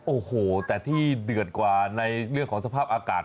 โอ้โหแต่ที่เดือดกว่าในเรื่องของสภาพอากาศ